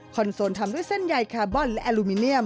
โซนทำด้วยเส้นใยคาร์บอนและอลูมิเนียม